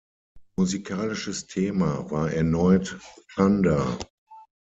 Musikalisches Thema war erneut „Thunder“.